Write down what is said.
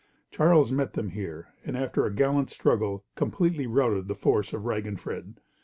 Charles met them here, and after a gallant struggle completely routed the force of Raginfred.